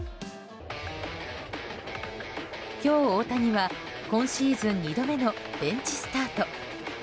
今日、大谷は今シーズン２度目のベンチスタート。